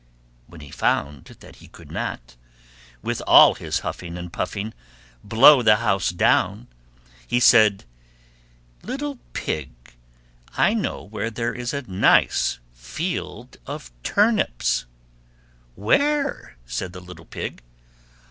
When he found that he could not, with all his huffing and puffing, blow the house down, he said, "Little Pig, I know where there is a nice field of turnips." "Where?" said the little Pig.